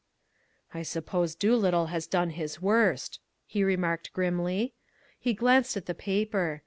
"I suppose Doolittle has done his worst," he remarked grimly. He glanced at the paper.